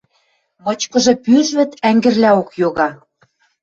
Мычкыжы пӱжвӹд ӓнгӹрлӓок йога.